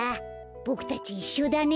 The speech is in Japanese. ボクたちいっしょだね。